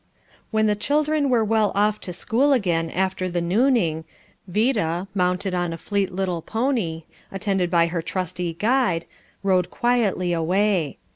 When the children were well off to school again after the nooning, Vida, mounted on a fleet little pony, attended by her trusty guide, rode quietly away.